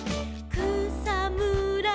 「くさむら